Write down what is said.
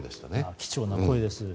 貴重な声です。